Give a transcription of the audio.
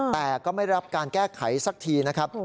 แต่ก็ไม่รับการแก้ไขสักทีนะครับ